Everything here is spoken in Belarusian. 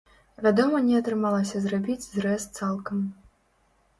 Вядома, не атрымалася зрабіць зрэз цалкам.